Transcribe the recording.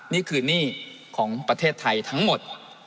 นี่คือหนี้ของประเทศไทยทั้งหมด